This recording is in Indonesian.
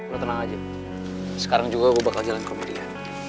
lo tenang aja sekarang juga gua bakal jalan komedi ya